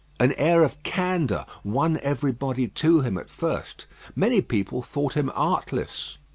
An air of candour won everybody to him at first; many people thought him artless.